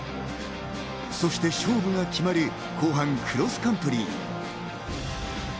そして勝負が決まる、後半クロスカントリー。